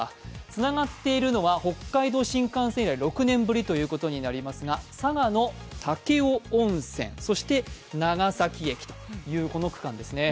つながっているのは北海道新幹線以来６年ぶりということになりますが、佐賀の武雄温泉と長崎駅、この区間ですね。